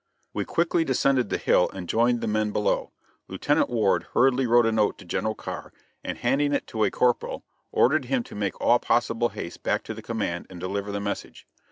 We quickly descended the hill and joined the men below. Lieutenant Ward hurriedly wrote a note to General Carr, and handing it to a corporal, ordered him to make all possible haste back to the command and deliver the message.